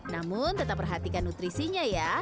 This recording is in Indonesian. namun tetap perhatikan nutrisinya ya